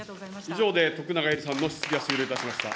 以上で徳永エリさんの質問は終了いたしました。